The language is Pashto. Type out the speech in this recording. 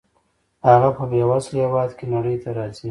هغه په بې وزله هېواد کې نړۍ ته راځي.